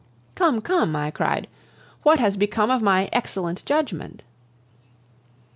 "Come, come," I cried, "what has become of my excellent judgment?"